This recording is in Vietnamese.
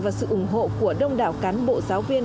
và sự ủng hộ của đông đảo cán bộ giáo viên